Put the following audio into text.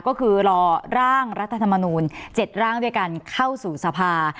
ก็คือรอร่างรัฐธรรมนูล๗ร่างด้วยกันเข้าสู่สภา